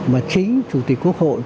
mà chính chủ tịch quốc hội